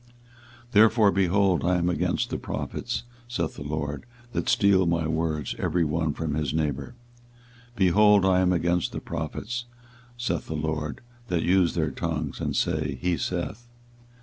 24:023:030 Therefore, behold, I am against the prophets, saith the LORD, that steal my words every one from his neighbour. 24:023:031 Behold, I am against the prophets, saith the LORD, that use their tongues, and say, He saith.